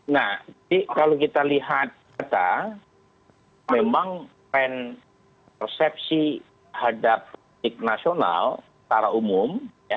nah kalau kita lihat memang tren persepsi terhadap politik nasional secara umum